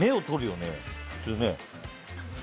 普通ね。